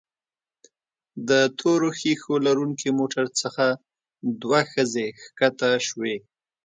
د تورو ښيښو لرونکي موټر څخه دوه ښځې ښکته شوې.